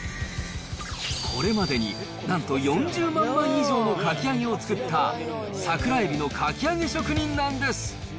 これまでに、なんと４０万枚以上のかき揚げを作った、桜エビのかき揚げ職人なんです。